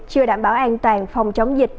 chưa đảm bảo an toàn phòng chống dịch